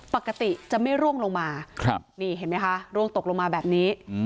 ปกติจะไม่ร่วงลงมานี่เห็นไหมคะร่วงตกลงมาแบบนี้